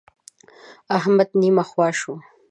احمد نيمه خوا شو.